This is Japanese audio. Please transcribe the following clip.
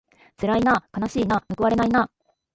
つらいなあかなしいなあむくわれないなあ